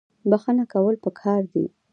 بخښنه کول پکار دي